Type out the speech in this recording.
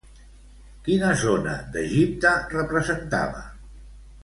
Quina zona d'Egipte representava?